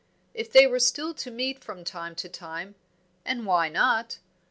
If they were still to meet from time to time and why not?